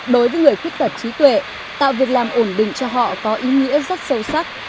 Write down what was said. đối với người khuyết tật trí tuệ tạo việc làm ổn định cho họ có ý nghĩa rất sâu sắc